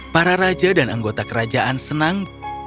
para raja dan anggota kerajaan senang